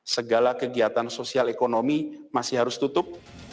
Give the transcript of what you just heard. segala kegiatan sosial ekonomi masih harus tutup